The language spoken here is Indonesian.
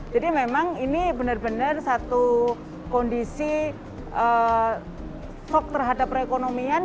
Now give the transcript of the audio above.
jadi memang ini benar benar satu kondisi shock terhadap perekonomian